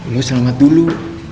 lo selamat dulu